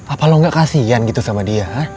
apa lo gak kasian gitu sama dia